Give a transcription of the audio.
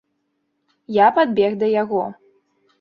Я падбег да яго.